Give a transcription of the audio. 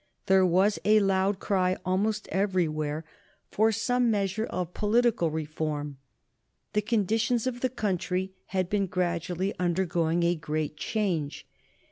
There was a loud cry almost everywhere for some measure of political reform. The conditions of the country had been gradually undergoing a great change.